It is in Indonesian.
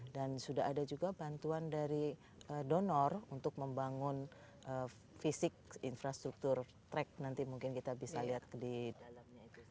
dan sudah ada juga bantuan dari donor untuk membangun fisik infrastruktur track nanti mungkin kita bisa lihat di dalamnya